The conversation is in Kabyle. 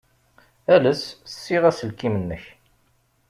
Ales ssiɣ aselkim-nnek.